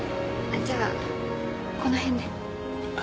じゃあこの辺で。